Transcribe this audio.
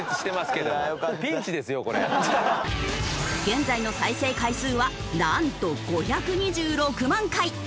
現在の再生回数はなんと５２６万回！